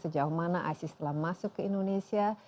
sejauh mana isis telah masuk ke indonesia